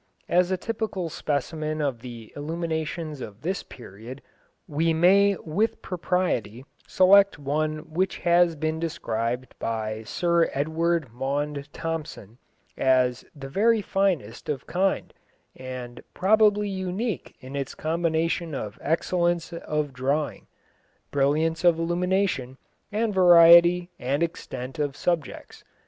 As a typical specimen of the illuminations of this period, we may with propriety select one which has been described by Sir Edward Maunde Thompson as "the very finest of its kind," and "probably unique in its combination of excellence of drawing, brilliance of illumination, and variety and extent of subjects."